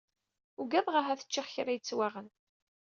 Ugadeɣ ahat ččiɣ kra yettwaɣen.